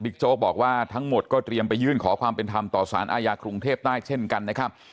โจ๊กบอกว่าทั้งหมดก็เตรียมไปยื่นขอความเป็นธรรมต่อสารอาญากรุงเทพใต้เช่นกันนะครับ